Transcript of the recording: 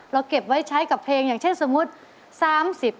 เก็บไว้ใช้กับเพลงอย่างเช่นสมมุติ